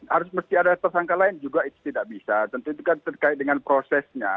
harus mesti ada tersangka lain juga itu tidak bisa tentu itu kan terkait dengan prosesnya